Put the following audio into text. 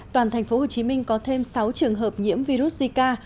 toàn tp hcm có thêm sáu trường hợp nhiễm virus zika